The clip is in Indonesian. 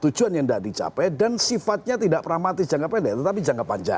tujuan yang tidak dicapai dan sifatnya tidak pragmatis jangka pendek tetapi jangka panjang